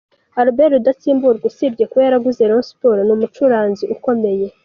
Albert Rudatsimburwa usibye kuba yaraguze Rayon Sports ni n'umucuranzi ukomeye.